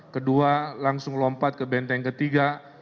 kedua langsung lompat ke benteng ketiga